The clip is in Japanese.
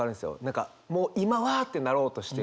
何かもう今は！ってなろうとしてる。